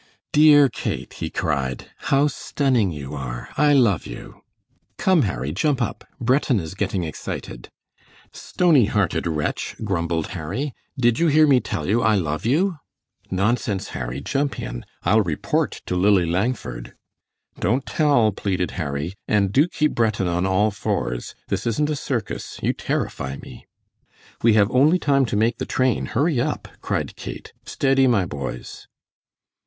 "DEAR Kate," he cried, "how stunning you are! I love you!" "Come, Harry, jump up! Breton is getting excited." "Stony hearted wretch," grumbled Harry. "Did you hear me tell you I love you?" "Nonsense, Harry, jump in; I'll report to Lily Langford." "Don't tell," pleaded Harry, "and do keep Breton on all fours. This isn't a circus. You terrify me." "We have only time to make the train, hurry up!" cried Kate. "Steady, my boys."